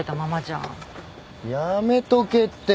やめとけって。